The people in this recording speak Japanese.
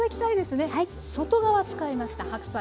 外側使いました。